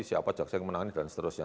siapa jaksa yang menangani dan seterusnya